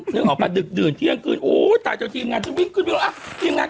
อย่างออกมาดึกเที่ยงกื่นโอ้โฮแทยจ๋วงต่อทีมงานฉันวิ้งกึ่งไปหนัง